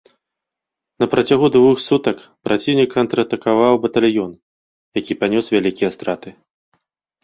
На працягу двух сутак праціўнік контратакаваў батальён, які панёс вялікія страты.